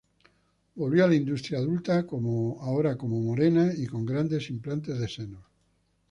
Volvió a la industria adulta ahora como morena y con grandes implantes de senos.